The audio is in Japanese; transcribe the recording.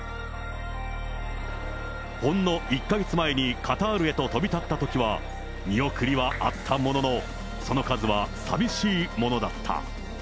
ほんの１か月前にカタールへと飛び立ったときは見送りはあったものの、その数は寂しいものだった。